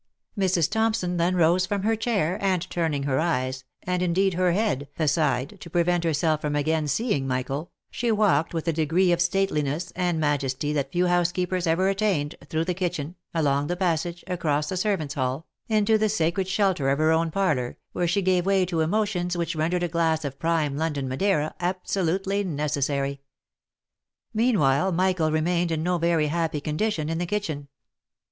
Mrs. Thompson then rose from her chair, and turning her eyes, and indeed her head, aside, to prevent herself from again seeing Michael, she walked with a degree of stateliness and majesty that few housekeepers ever attained, through the kitchen, along the passage, across the servants' hall, into the sacred shelter of her own parlour, where she gave way to emotions which rendered a glass of prime London Madeira absolutely necessary. Meanwhile Michael remained in no very happy condition in the kitchen.